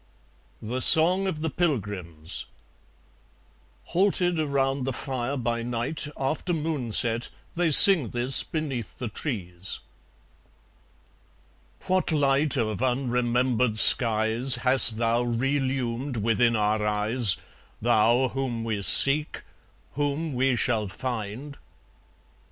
The Song of the Pilgrims (Halted around the fire by night, after moon set, they sing this beneath the trees.) What light of unremembered skies Hast thou relumed within our eyes, Thou whom we seek, whom we shall find?